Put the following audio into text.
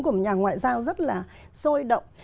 của một nhà ngoại giao rất là sôi động